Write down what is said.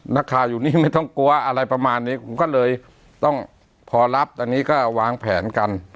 นักข่าวอยู่นี่ไม่ต้องกลัวอะไรประมาณนี้ผมก็เลยต้องพอรับตอนนี้ก็วางแผนกัน